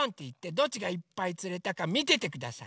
どっちがいっぱいつれたかみててください。